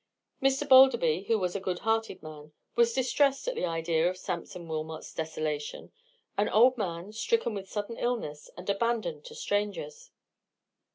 Mr. Balderby, who was a good hearted man, was distressed at the idea of Sampson Wilmot's desolation; an old man, stricken with sudden illness, and abandoned to strangers.